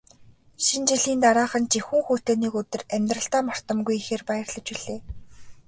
Шинэ жилийн дараахан жихүүн хүйтэн нэг өдөр амьдралдаа мартамгүй ихээр баярлаж билээ.